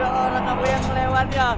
gak ada orang apa yang ngelewatin ya